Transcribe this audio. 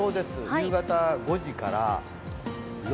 夕方５時から。